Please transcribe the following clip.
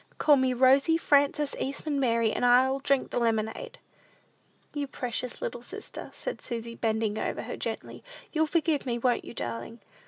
Call me Rosy Frances Eastman Mary, and I'll drink the lemonade." "You precious little sister," said Susy, bending over her gently, "you'll forgive me; won't you, darling?"